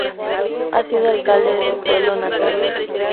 Ha sido alcalde de su pueblo natal.